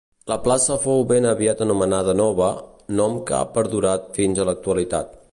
La plaça fou ben aviat anomenada Nova, nom que ha perdurat fins a l’actualitat.